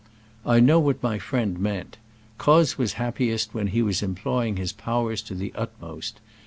I know what my friend meant. Croz was happiest when he was employing his powers to the utmost.